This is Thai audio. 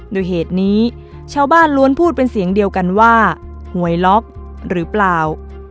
โดยเหตุนี้ชาวบ้านล้วนพูดเป็นเสียงเดียวกันว่าหวยล็อกหรือเปล่า